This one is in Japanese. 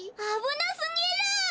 あぶなすぎる！